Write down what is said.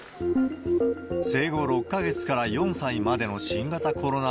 生後６か月から４歳までの新型コロナ